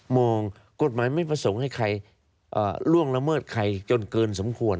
กฎหมายไม่ประสงค์ให้ใครล่วงละเมิดใครจนเกินสมควร